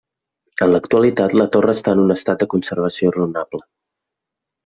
En l'actualitat la torre està en un estat de conservació raonable.